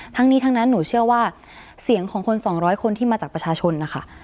ทั้งนี้ทั้งนั้นหนูเชื่อว่าเสียงของคน๒๐๐คนที่มาจากประชาชนนะคะ